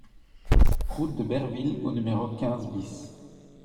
Route de Berville au numéro quinze BIS